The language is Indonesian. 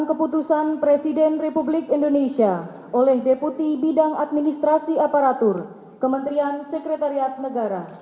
keputusan presiden republik indonesia oleh deputi bidang administrasi aparatur kementerian sekretariat negara